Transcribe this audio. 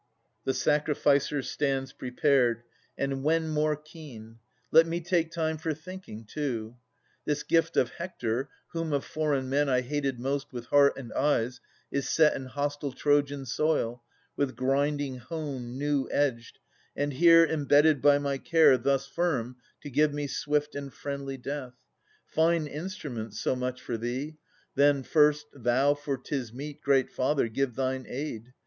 The sacrificer stands prepared, — and when More keen ? Let me take time for thinking, too ! This gift of Hector, whom of foreign men I hated most with heart and eyes, is set In hostile Trojan soil, with grinding hone New edged, and here embedded by my care Thus firm, to give me swift and friendly death. Fine instrument, so much for thee ! Then, first, Thou, for 'tis meet, great Father, give thine aid.